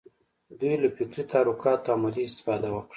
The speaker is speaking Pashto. دوی له فکري تحرکاتو عملي استفاده وکړه.